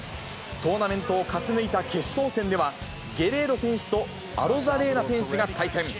トーナメントを勝ち抜いた決勝戦では、ゲレーロ選手とアロザレーナ選手が対戦。